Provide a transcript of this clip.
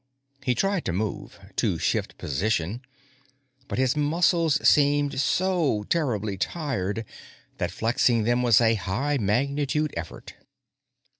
He tried to move, to shift position, but his muscles seemed so terribly tired that flexing them was a high magnitude effort.